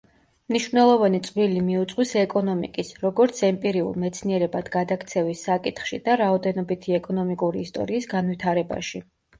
მნიშვნელოვანი წვლილი მიუძღვის ეკონომიკის, როგორც ემპირიულ მეცნიერებად გადაქცევის საკითხში და რაოდენობითი ეკონომიკური ისტორიის განვითარებაში.